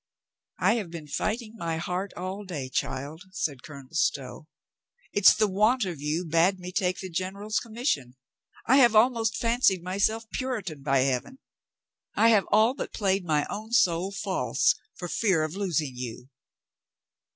"I have been fighting my heart all day, child," said Colonel Stow. "It's the want of you bade me take the general's commission. I have almost fan cied myself Puritan, by Heaven. I have all but played my own soul false, for fear of losing you."